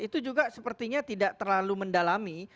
itu juga sepertinya tidak terlalu mendalami